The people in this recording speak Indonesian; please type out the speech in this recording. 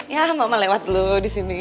ya mama lewat dulu disini